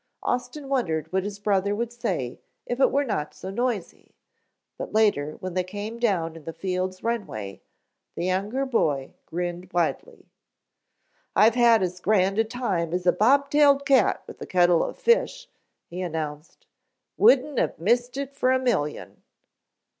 Austin wondered what his brother would say if it were not so noisy, but later, when they came down in the field's runway, the younger boy grinned widely. "I've had as grand a time as a bob tailed cat with a kettle of fish," he announced. "Wouldn't have missed it for a million."